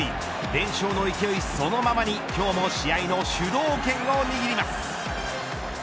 連勝の勢いそのままに今日も試合の主導権を握ります。